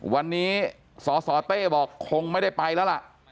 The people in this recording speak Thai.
วันนี้สสเต้บอกคงไม่ได้ไปแล้วล่ะ